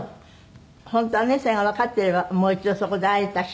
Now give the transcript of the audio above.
本当はねそれがわかってればもう一度そこで会えたし。